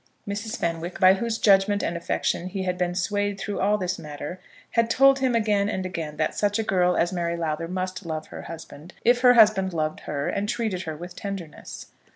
Mrs. Fenwick, by whose judgment and affection he had been swayed through all this matter, had told him again and again, that such a girl as Mary Lowther must love her husband, if her husband loved her and treated her with tenderness.